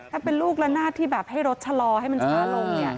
ถ้าเป็นลูกละนาดที่แบบให้รถชะลอให้มันช้าลง